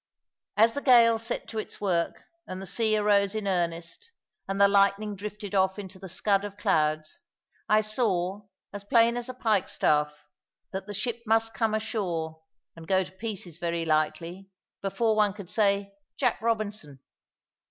As the gale set to its work, and the sea arose in earnest, and the lightning drifted off into the scud of clouds, I saw, as plain as a pikestaff, that the ship must come ashore, and go to pieces very likely, before one could say "Jack Robinson."